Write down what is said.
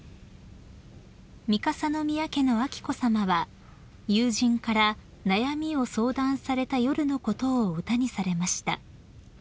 ［三笠宮家の彬子さまは友人から悩みを相談された夜のことを歌にされました］